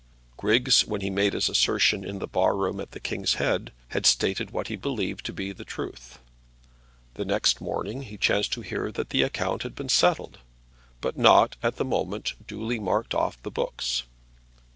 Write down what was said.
Griggs, when he made his assertion in the bar room at the King's Head, had stated what he believed to be the truth. The next morning he chanced to hear that the account had been settled, but not, at the moment, duly marked off the books.